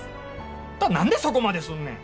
あんた何でそこまですんねん。